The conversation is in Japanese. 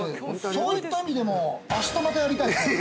そういった意味でもあしたまたやりたいですね。